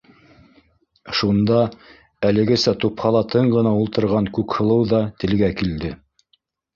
Шунда әлегесә тупһала тын ғына ултырған Күкһылыу ҙа телгә килде: